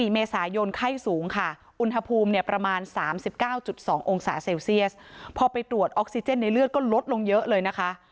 ๔เมษายนไข้สูงค่ะอุณหภูมิเนี่ยประมาณ๓๙๒องศาเซลเซียสพอไปตรวจออกซิเจนในเลือดก็ลดลงเยอะเลยนะคะ